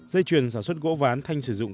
dây chuyền sản xuất gỗ ván thanh sử dụng